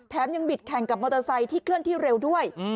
แถมยังบิดแข่งกับมอเตอร์ไซค์ที่เคลื่อนที่เร็วด้วย